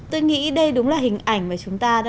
tôi nghĩ đây đúng là hình ảnh mà chúng ta